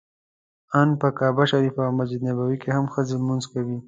ان په کعبه شریفه او مسجد نبوي کې هم ښځې لمونځ کوي.